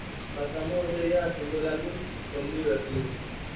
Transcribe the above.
Pasamos doce días haciendo el álbum... fue muy divertido.